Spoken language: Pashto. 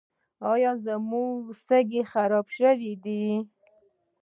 ایا زما سږي خراب شوي دي؟